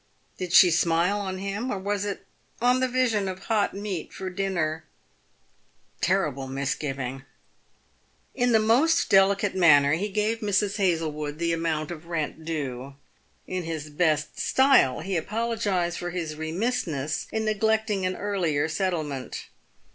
Did she smile on him, or was it on the vision of hot meat for dinner ? Terrible misgiving ! In the most delicate manner, he gave Mrs. Hazlewood the amount of rent due. In his best style, he apologised for his remissness in neglecting an earlier settlement.